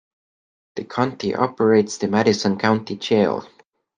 The county operates the Madison County Jail.